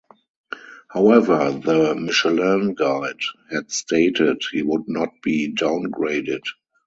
However, the Michelin guide had stated he would not be downgraded.